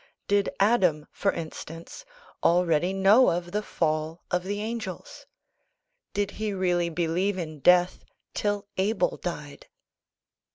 Did Adam, for instance, already know of the fall of the Angels? Did he really believe in death, till Abel died?